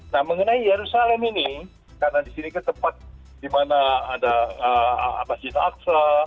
nah mengenai jerusalem ini karena di sini ketempat di mana ada pasjidil aqsa